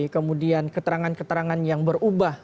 kemudian keterangan keterangan yang berubah